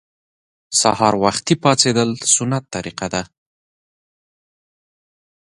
سهار وختي پاڅیدل سنت طریقه ده